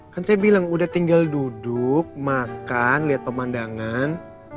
kan saya bilang udah tinggal duduk makan lihat pemandangan